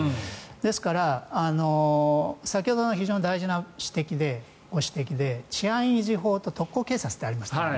ですから先ほど非常に大事なご指摘で治安維持法と特高警察ってありましたね。